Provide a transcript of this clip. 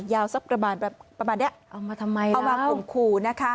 ยาวซักกระบานแบบประมาณเนี้ยเอามาทำไมแล้วเอามาปลงขู่นะคะ